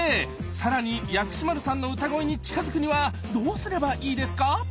更に薬師丸さんの歌声に近づくにはどうすればいいですか？